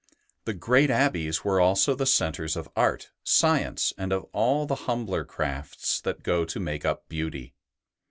The great abbeys were also the centres of art, science, and of all the humbler crafts that go to make up beauty.